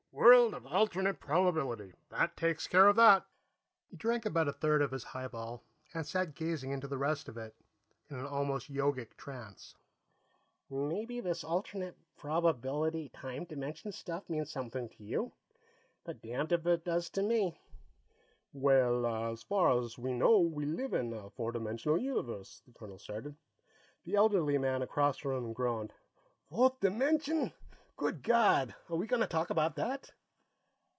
"World of alternate probability. That takes care of that." He drank about a third of his highball and sat gazing into the rest of it, in an almost yogic trance. The plump man looked at the colonel in bafflement. "Maybe this alternate probability time dimension stuff means something to you," he said. "Be damned if it does to me." "Well, as far as we know, we live in a four dimensional universe," the colonel started. The elderly man across from him groaned. "Fourth dimension! Good God, are we going to talk about that?"